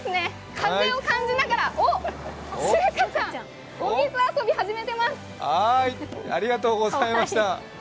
風を感じながらおっ、シュウカちゃん、お水遊び、始めてます。